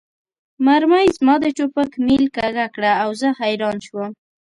مرمۍ زما د ټوپک میل کږه کړه او زه حیران شوم